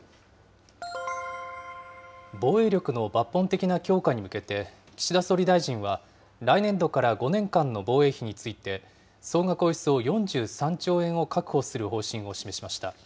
防衛力の抜本的な強化に向けて、岸田総理大臣は来年度から５年間の防衛費について、総額およそ４３兆円を確保する方針を示しました。